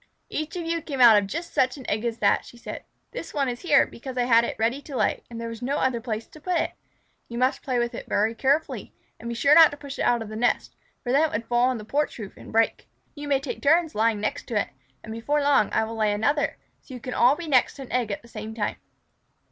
"Each of you came out of just such an egg as that," she said. "This one is here because I had it ready to lay, and there was no other good place to put it. You may play with it very carefully, and be sure not to push it out of the nest, for then it would fall on the porch roof and break. You may take turns lying next to it, and before long I will lay another, so you can all be next to an egg at the same time."